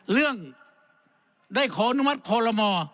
เรื่องได้ขออนุมัติคอลโลม